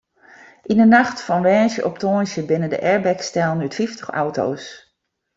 Yn de nacht fan woansdei op tongersdei binne de airbags stellen út fyftich auto's.